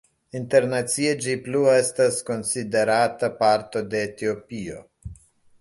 Internacie ĝi plu estas konsiderata parto de Etiopio.